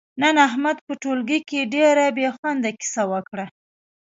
نن احمد په ټولگي کې ډېره بې خونده کیسه وکړه،